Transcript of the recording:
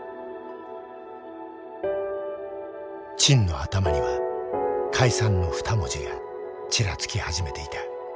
陳の頭には解散の２文字がちらつき始めていた。